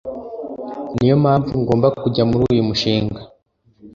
niyo mpamvu ngomba kujya muri uyu mushinga